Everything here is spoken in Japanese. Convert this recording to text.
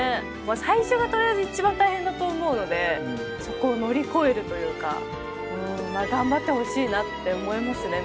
最初がとりあえず一番大変だと思うのでそこを乗り越えるというか頑張ってほしいなって思いますね。